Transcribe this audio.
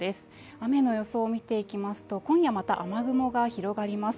雨の予想を見ていきますと、今夜また雨雲が広がります。